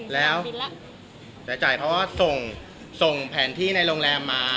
แล้วจ่ายเขาก็ส่งแผนที่ในโรงแรมมา